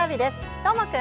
どーもくん！